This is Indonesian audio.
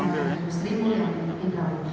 khamisah deng kustri mulya idrawidj